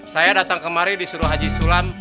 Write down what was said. saya datang kemari disuruh haji sulam